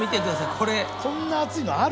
これこんな厚いのある？